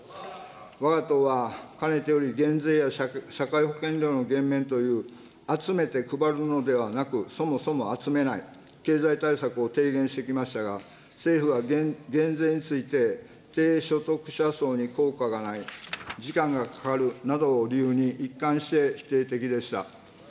わが党は、かねてより減税や社会保険料の減免という、集めて配るのではなく、そもそも集めない、経済対策を提言してきましたが、政府は減税について、低所得者層に効果がない、時間がかかるなどを理由に一貫して否定的でした。